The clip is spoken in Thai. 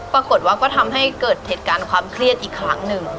ปรากฏว่าก็ทำให้เกิดเหตุการณ์ความเครียดอีกครั้งหนึ่ง